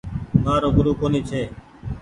مآرو گورو ڪونيٚ ڇي۔